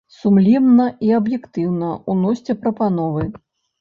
Сумленна і аб'ектыўна ўносьце прапановы.